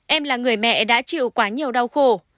em là người mẹ đã chịu quá nhiều đau khổ